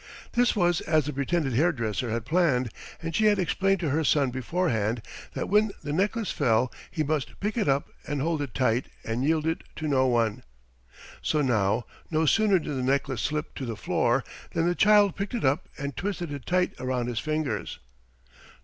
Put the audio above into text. This was as the pretended hairdresser had planned, and she had explained to her son beforehand that when the necklace fell he must pick it up and hold it tight, and yield it to no one. So now, no sooner did the necklace slip to the floor, than the child picked it up and twisted it tight around his fingers.